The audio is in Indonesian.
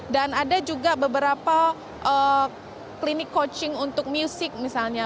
dan ada juga beberapa klinik coaching untuk musik misalnya